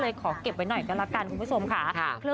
เพื่อนก็เลยขอเก็บไว้หน่อยกันละกันคุณผู้ชมแท้